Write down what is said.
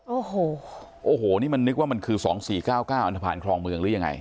โอ้โหโอ้โหนี่มันนึกว่ามันคือสองสี่เก้าเก้าอันทภัณฑ์ครองเมืองหรือยังไง